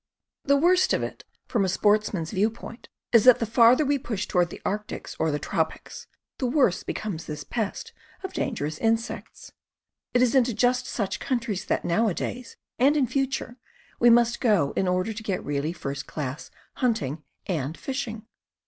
The worst of it, from a sportsman's view point, is that the farther we push toward the arctics or the tropics, the worse becomes this pest of dangerous in sects. It is into just such countries that, nowadays and in future, we must go in order to get really first class hunting and fishing.